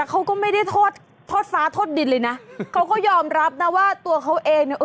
เอาเรื่องนี้มาย้ำซ้ำถึง